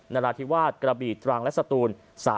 นรฐิวาตกระบีทรางและสตูน